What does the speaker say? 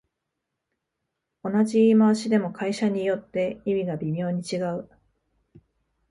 同じ言い回しでも会社によって意味が微妙に違う